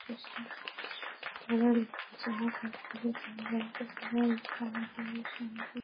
মোড়ের লোকজনের কাছ থেকে তিনি জানতে পারেন, ফোন পেয়েই শান্ত রওনা দেয়।